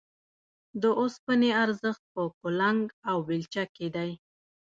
د اوسپنې ارزښت په کلنګ او بېلچه کې دی